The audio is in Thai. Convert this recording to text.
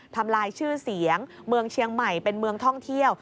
ทำลายชื่อเสียงเมืองเชียงใหม่เป็นเมืองท่องเที่ยว